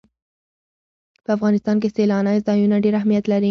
په افغانستان کې سیلانی ځایونه ډېر اهمیت لري.